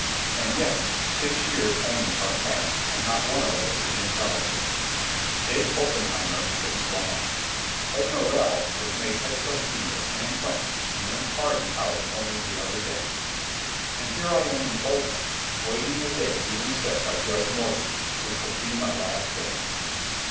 And yet, six years only are past, and not one of us is in solitary. Jake Oppenheimer was swung off. Ed Morrell was made head trusty of San Quentin and then pardoned out only the other day. And here I am in Folsom waiting the day duly set by Judge Morgan, which will be my last day.